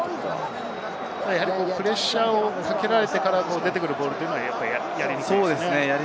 プレッシャーをかけられてから出てくるボールはやりにくいですか？